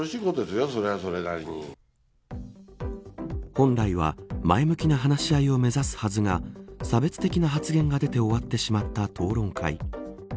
本来は前向きな話し合いを目指すはずが差別的な発言が出て終わってしまった討論会。